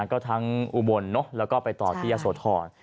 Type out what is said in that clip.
ก็ทั้งอุบลแล้วก็ไปต่อที่ยะโสธร